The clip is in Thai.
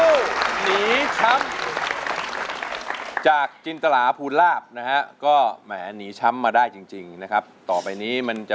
หนีช้ำจากจินตราภูลาภนะฮะก็แหมหนีช้ำมาได้จริงนะครับต่อไปนี้มันจะ